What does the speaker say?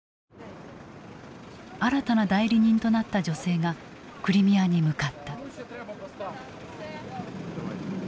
新たな代理人となった女性がクリミアに向かった。